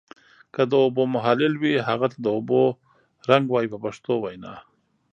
که د اوبو محلل وي هغه ته د اوبو رنګ وایي په پښتو وینا.